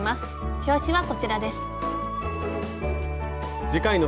表紙はこちらです。